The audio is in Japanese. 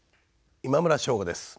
今村翔吾です。